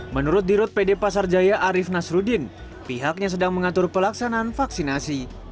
menurut dirut pd pasar jaya arief nasruddin pihaknya sedang mengatur pelaksanaan vaksinasi